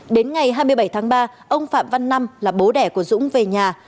đến ngày hai mươi bảy tháng ba ông phạm văn năm là bố đẻ của dũng về nhà